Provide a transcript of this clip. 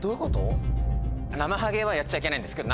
ナマハゲはやっちゃいけないんですけど。